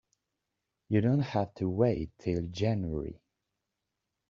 You don't have to wait till January.